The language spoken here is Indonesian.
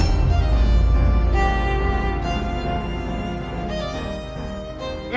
ini semua gara gara kalian